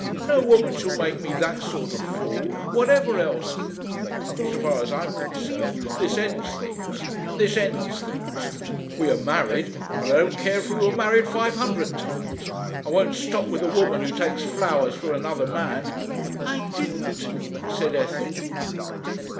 No woman shall make me that sort of fool, whatever else So far as I am concerned, this ends things. This ends things. We are married but I don't care if we were married five hundred times. I won't stop with a woman who takes flowers from another man " "I didn't," said Ethel.